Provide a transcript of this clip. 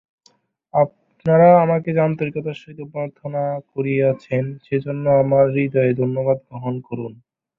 আপনারা আমাকে যে আন্তরিকতার সহিত অভ্যর্থনা করিয়াছেন, সেজন্য আমার হৃদয়ের ধন্যবাদ গ্রহণ করুন।